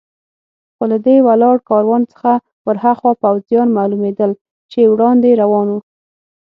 خو له دې ولاړ کاروان څخه ور هاخوا پوځیان معلومېدل چې وړاندې روان و.